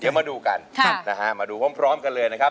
เดี๋ยวมาดูกันนะฮะมาดูพร้อมกันเลยนะครับ